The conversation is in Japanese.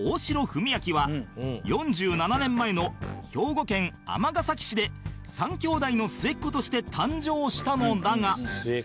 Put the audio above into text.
文章は４７年前の兵庫県尼崎市で３きょうだいの末っ子として誕生したのだが